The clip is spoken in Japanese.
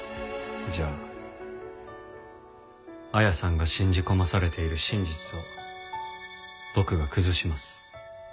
じゃあ彩さんが信じ込まされている真実を僕が崩します。